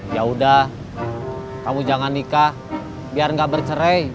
ya udah kamu jangan nikah biar gak bercerai